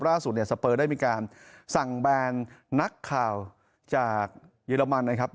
ล่าสุดเนี่ยสเปอร์ได้มีการสั่งแบนนักข่าวจากเยอรมันนะครับ